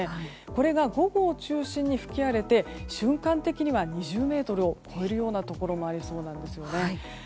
これが午後を中心に吹き荒れて瞬間的には２０メートルを超えるようなところもありそうなんですね。